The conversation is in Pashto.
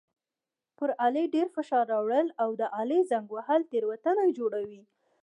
پر آلې ډېر فشار راوړل او د آلې زنګ وهل تېروتنه جوړوي.